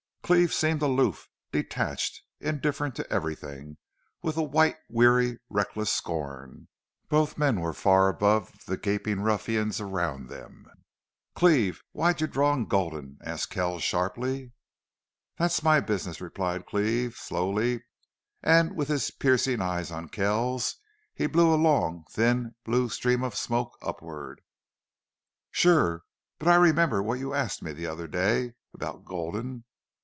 Cleve seemed aloof, detached, indifferent to everything, with a white, weary, reckless scorn. Both men were far above the gaping ruffians around them. "Cleve, why'd you draw on Gulden?" asked Kells, sharply. "That's my business," replied Cleve, slowly, and with his piercing eyes on Kells he blew a long, thin, blue stream of smoke upward. "Sure.... But I remember what you asked me the other day about Gulden.